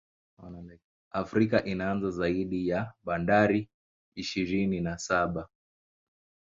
Afrika inazo zaidi ya Bandari ishirini na saba